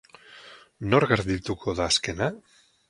Nor geldituko da azkena?